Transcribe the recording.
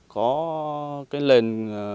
có cái lền